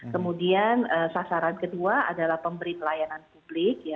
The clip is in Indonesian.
kemudian sasaran kedua adalah pemberi pelayanan publik